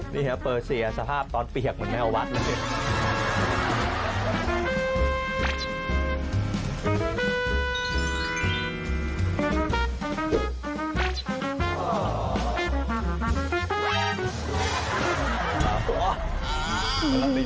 นี่ครับเปิดเสียสภาพตอนเปียกเหมือนแมววัดเลย